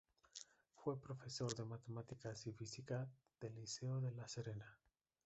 Fue profesor de matemáticas y física del Liceo de La Serena.